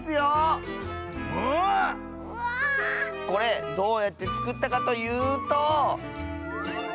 これどうやってつくったかというと！